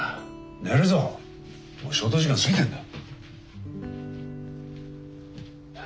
寝るぞもう消灯時間過ぎてんだ。